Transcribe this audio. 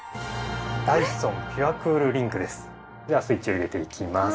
ではスイッチを入れていきます。